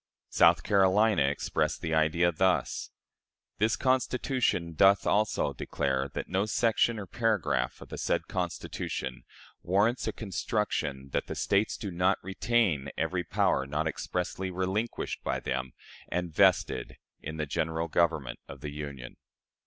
South Carolina expressed the idea thus: "This Convention doth also declare that no section or paragraph of the said Constitution warrants a construction that the States do not retain every power not expressly relinquished by them and vested in the General Government of the Union."